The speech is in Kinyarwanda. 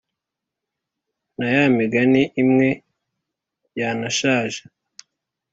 na ya migani imwe yanashaje,